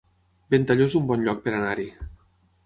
Ventalló es un bon lloc per anar-hi